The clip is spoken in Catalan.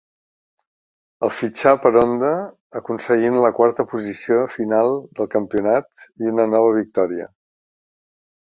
El fitxà per Honda aconseguint la quarta posició final del campionat i una nova victòria.